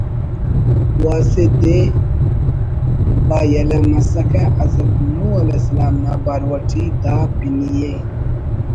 و اسہ دے با یلہ مسکہ حضرت نوح ؑ نا بارو اٹی دا پنی ءِ